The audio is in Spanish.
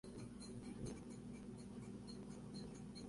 Su tío fue el astrónomo y vicepresidente de la Royal Society, Francis Baily.